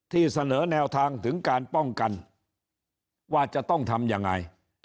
ที่เสนอแนวทางถึงการป้องกันว่าจะต้องทำยังไง